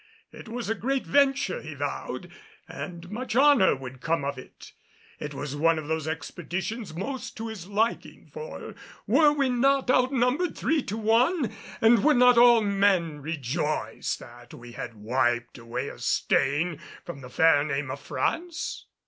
It was a great venture, he vowed, and much honor would come of it. It was one of those expeditions most to his liking, for were we not outnumbered three to one? And would not all men rejoice that we had wiped away a stain from the fair name of France?